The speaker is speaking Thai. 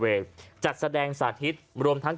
พอพาไปดูก็จะพาไปดูที่เรื่องของเครื่องบินเฮลิคอปเตอร์ต่าง